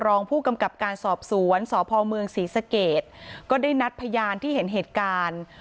รองผู้กำกับการสอบสวนสพเมืองศรีสเกตก็ได้นัดพยานที่เห็นเหตุการณ์